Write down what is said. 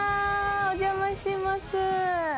お邪魔します。